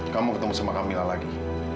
kamu ketemu sama kamila lagi